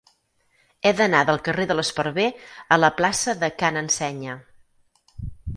He d'anar del carrer de l'Esparver a la plaça de Ca n'Ensenya.